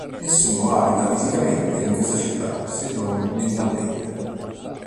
Nessuno abita fisicamente in questa città se non mentalmente.